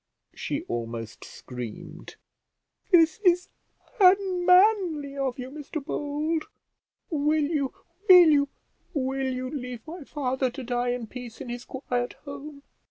she almost screamed. "This is unmanly of you, Mr Bold. Will you, will you, will you leave my father to die in peace in his quiet home?"